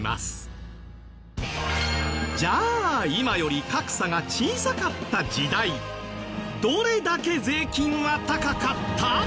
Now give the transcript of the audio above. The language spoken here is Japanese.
じゃあ今より格差が小さかった時代どれだけ税金は高かった？